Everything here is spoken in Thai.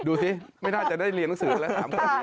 ดูสิไม่น่าจะได้เรียนหนังสือเลย